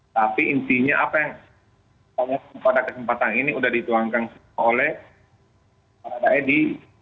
tapi intinya apa yang saya pada kesempatan ini sudah dituangkan semua oleh para daedi